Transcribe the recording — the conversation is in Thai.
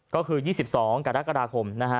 ก็คือ๒๒กรกฎาคม